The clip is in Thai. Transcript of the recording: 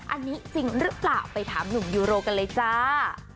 อันนี้จริงหรือเปล่าไปถามหนุ่มยูโรกันเลยจ้า